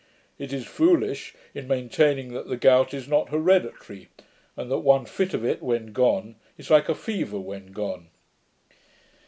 It is foolish, in maintaining that the gout is not hereditary, and that one fit of it, when gone, is like a fever when gone.'